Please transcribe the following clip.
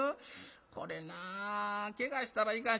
これなけがしたらいかん。